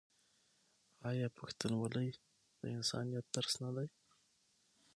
آیا پښتونولي د انسانیت درس نه دی؟